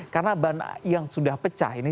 karena ban yang sudah pecah